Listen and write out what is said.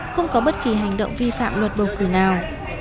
không có bất kỳ hành động vi phạm luật bầu cử nào